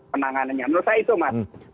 penanganannya menurut saya itu mas